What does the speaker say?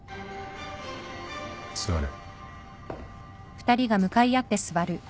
座れ。